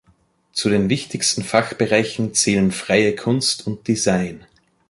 Zu den wichtigsten Fachbereichen zählen "Freie Kunst" und "Design".